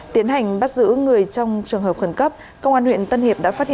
tiến hành bắt giữ người trong trường hợp khẩn cấp công an huyện tân hiệp đã phát hiện